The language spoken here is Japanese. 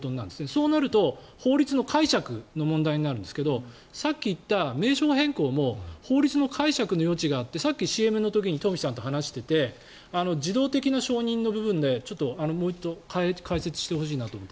そうなると法律の解釈の問題になるんですけどさっき言った名称変更も法律の解釈の余地があってさっきＣＭの時にトンフィさんと話していて自動的な承認の部分でちょっともう一度解説してほしいなと。